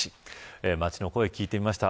街の声聞いてみました。